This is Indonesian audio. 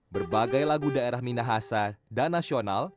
berbagai lagu daerah minahasa dan nasional